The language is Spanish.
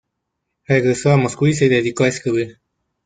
Regresó a Moscú y se dedicó a escribir.